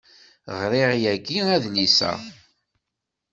Ɣriɣ yagi adlis-a.